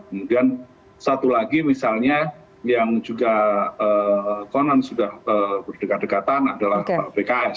kemudian satu lagi misalnya yang juga konon sudah berdekat dekatan adalah pks